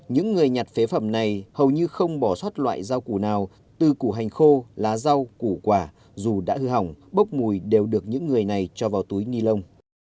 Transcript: những người nhặt phế phẩm này hầu như không bỏ sót loại rau củ nào từ củ hành khô lá rau củ quả dù đã hư hỏng bốc mùi đều được những người này cho vào túi ni lông